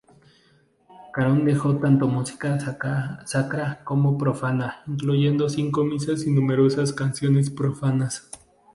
Caron dejó tanto música sacra como profana, incluyendo cinco misas y numerosas canciones profanas.